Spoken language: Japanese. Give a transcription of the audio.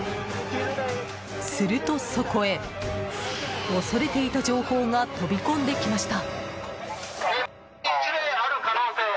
するとそこへ、恐れていた情報が飛び込んできました。